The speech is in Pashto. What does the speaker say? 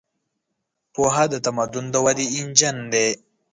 پوهه د تمدن د ودې انجن دی.